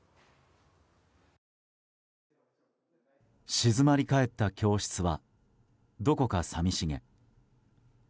静まり返った教室はどこか寂しげ。